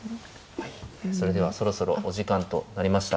それではそろそろお時間となりました。